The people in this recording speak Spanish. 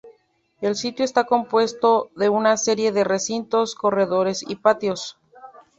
El sitio está compuesto de una serie de recintos, corredores y patios.